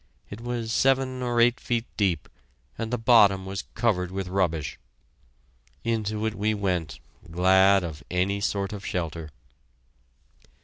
It was seven or eight feet deep, and the bottom was covered with rubbish. Into it we went, glad of any sort of shelter.